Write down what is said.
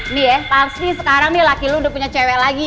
ini ya pasti sekarang laki kamu sudah punya cewek lagi